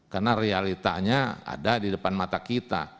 karena realitanya ada di depan mata kita